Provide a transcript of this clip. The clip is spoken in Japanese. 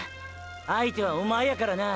相手はおまえやからな。